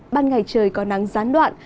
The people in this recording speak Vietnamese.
ban ngày trời có nắng gián đoạn